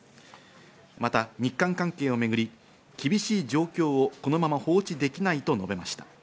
また日韓関係をめぐり、厳しい状況をこのまま放置できないと述べました。